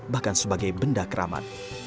bahkan sebagai benda keramat